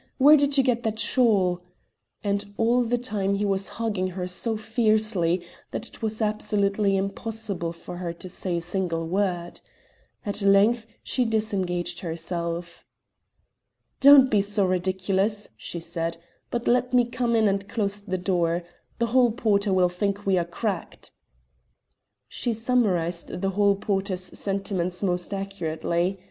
Where did you get that shawl?" And all the time he was hugging her so fiercely that it was absolutely impossible for her to say a single word. At length she disengaged herself. "Don't be so ridiculous," she said, "but let me come in and close the door. The hall porter will think we are cracked." She summarised the hall porter's sentiments most accurately.